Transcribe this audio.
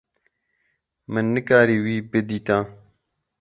Min nekarî wî bidîta.